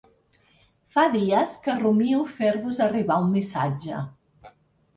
Fa dies que rumio fer-vos arribar un missatge.